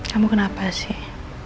kamu kenapa sih